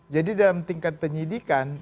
jadi dalam tingkat penyelidikan